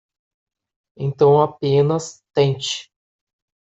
Então apenas tente